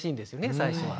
最初は。